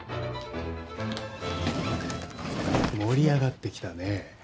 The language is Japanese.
盛り上がってきたね。